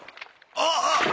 ああ！